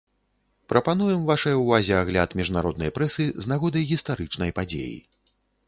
Прапануем вашай увазе агляд міжнароднай прэсы з нагоды гістарычнай падзеі.